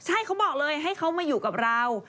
ใช่เขาบอกเลยให้เขามาอยู่กับเรา